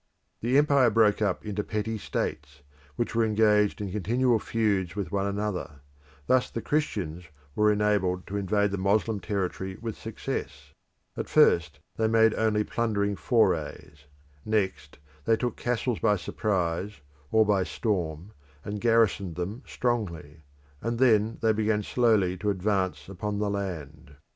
The empire broke up into petty states, which were engaged in continual feuds with one another. Thus the Christians were enabled to invade the Moslem territory with success. At first they made only plundering forays; next they took castles by surprise or by storm and garrisoned them strongly; and then they began slowly to advance upon the land.